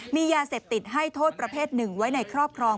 มียาเสพติดให้โทษประเภทหนึ่งไว้ในครอบครอง